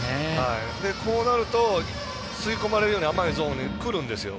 こうなると吸い込まれるように甘いゾーンにくるんですよ。